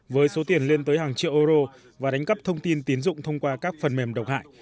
với số tiền lên tới hàng triệu euro và đánh cắp thông tin tiến dụng thông qua các phần mềm độc hại